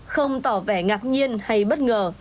không tỏ vẻ ngạc nhiên hay bất ngờ